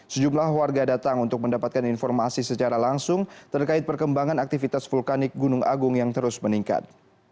sejumlah warga datang untuk mendapatkan informasi secara langsung terkait perkembangan aktivitas vulkanik gunung agung yang terus meningkat